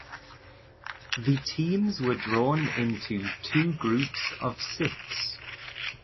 The teams were drawn into two groups of six.